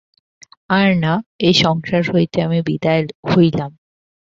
আর না, এ সংসার হইতে আমি বিদায় হইলাম।